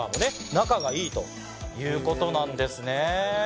仲がいいということなんですね。